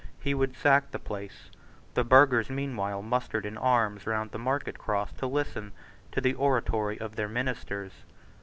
He would sack the place. The burghers meanwhile mustered in arms round the market cross to listen to the oratory of their ministers.